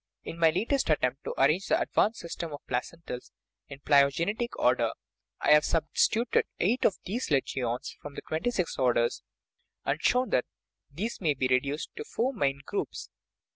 In my latest attempt* to arrange the advanced system of placentals in phylogenetic order I have sub stituted eight of these legions for the twenty six orders, and shown that these may be reduced to four main groups.